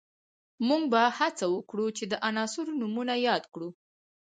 موږ به هڅه وکړو چې د عناصرو نومونه یاد کړو